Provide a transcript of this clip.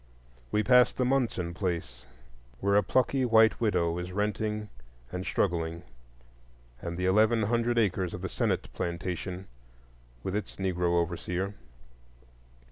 We pass the Munson place, where a plucky white widow is renting and struggling; and the eleven hundred acres of the Sennet plantation, with its Negro overseer.